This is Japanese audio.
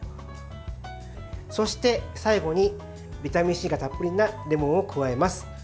そして、最後にビタミンＣがたっぷりなレモンを加えます。